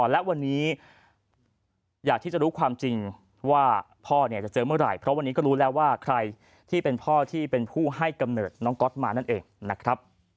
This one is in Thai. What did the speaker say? และวันนี้อยากที่จะรู้ความจริงว่าพ่อจะเจอเมื่อไหร่